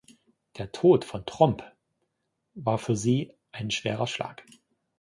Der Tod von Tromp war für sie ein schwerer Schlag.